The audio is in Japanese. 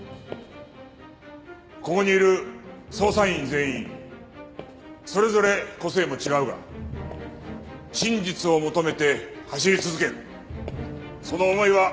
ここにいる捜査員全員それぞれ個性も違うが真実を求めて走り続けるその思いは一枚岩だ。